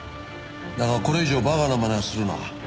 だがこれ以上バカな真似はするな。